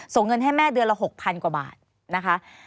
ส่งเงินให้แม่เดือนละ๖๐๐กว่าบาทนะคะ